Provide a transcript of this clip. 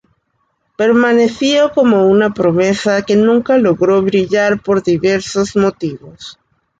Permaneció como una promesa que nunca logró brillar por diversos motivos.